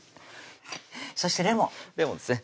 そしてレモンレモンですね